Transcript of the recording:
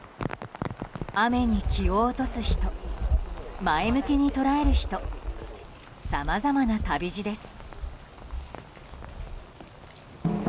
雨に気を落とす人前向きに捉える人さまざまな旅路です。